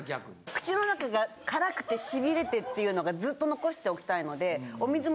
口の中が辛くてしびれてっていうのがずっと残しておきたいので。